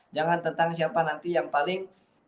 jangan tentang siapa nanti yang paling